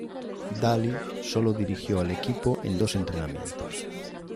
Daly solo dirigió al equipo en dos entrenamientos.